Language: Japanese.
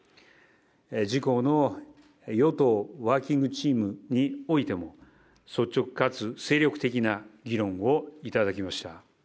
自公の与党ワーキングチームにおいても、率直かつ精力的な議論をいただきました。